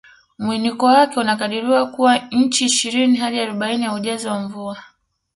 Mwinuko wake unakadiriwa kuwa inchi ishirini hadi arobaini ya ujazo wa mvua